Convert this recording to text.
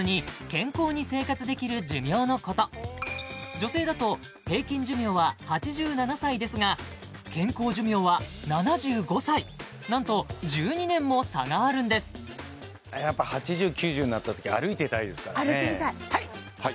女性だと平均寿命は８７歳ですが健康寿命は７５歳何と１２年も差があるんですやっぱ８０９０になった時歩いてたいですからね歩いていたいはい！